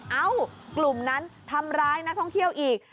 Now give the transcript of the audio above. เอ้ากลุ่มนั้นทำร้ายนักท่องเที่ยวอีก